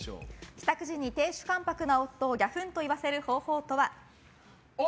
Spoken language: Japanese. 帰宅時に亭主関白な夫をギャフンと言わせる方法とは？